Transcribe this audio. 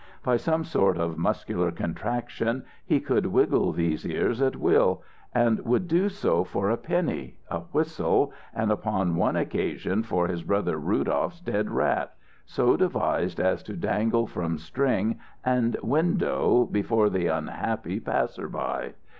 By some sort of muscular contraction, he could wiggle these ears at will, and would do so for a penny, a whistle, and upon one occasion for his brother Rudolph's dead rat, so devised as to dangle from string and window before the unhappy passer by.